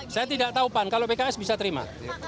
saya tidak taupan kalau pks bisa terima